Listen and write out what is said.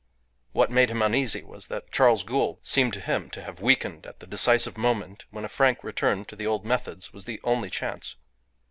What made him uneasy was that Charles Gould seemed to him to have weakened at the decisive moment when a frank return to the old methods was the only chance.